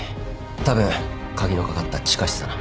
たぶん鍵の掛かった地下室だな。